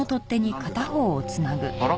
あら？